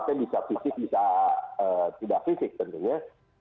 kita bisa fisik bisa tidak fisik tentunya